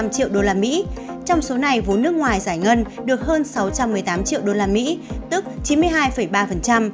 trong số này vốn nước ngoài giải ngân được hơn sáu trăm một mươi tám triệu usd tức chín mươi hai ba